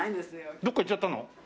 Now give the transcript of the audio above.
どっか行っちゃったの？